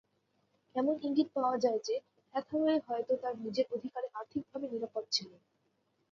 এমন ইঙ্গিত পাওয়া যায় যে, হ্যাথাওয়ে হয়তো তার নিজের অধিকারে আর্থিকভাবে নিরাপদ ছিলেন।